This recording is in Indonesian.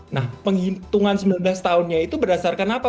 nah penghitungan sembilan belas tahunnya itu berdasarkan apa